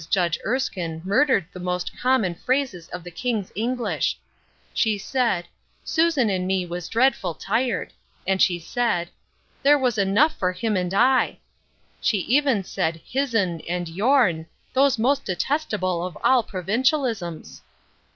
Judge Erskine murdered the most common phrases of the king's English ! She said, " Susan and me was dreadful tired !" And she said, *' There was enough for him and I !" She even said his'n and your'n, those most detestable of all provincialisms